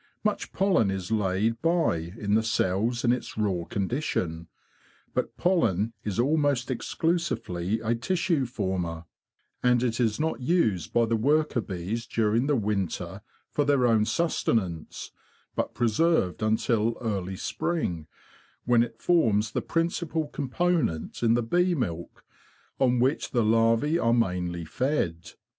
Much pollen is laid by in the cells in its raw condition, but pollen is almost exclusively a tissue former, and it is not used by the worker bees during the winter for their own sustenance, but preserved until early spring, when it forms the principal component in the bee milk on which the larve are mainly fed.